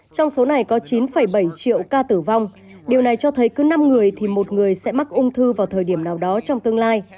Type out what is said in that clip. trong số này có chín bảy triệu ca tử vong điều này cho thấy cứ năm người thì một người sẽ mắc ung thư vào thời điểm nào đó trong tương lai